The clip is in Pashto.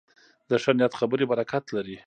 د ښه نیت خبرې برکت لري